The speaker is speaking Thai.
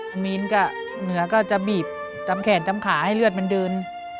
มีนกับเหนือก็จะบีบทำแขนตำขาให้เลือดมันเดิน